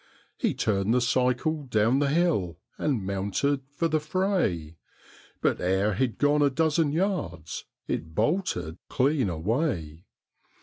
He turned the cycle down the hill and mounted for the fray, But ere he'd gone a dozen yards it bolted clean away.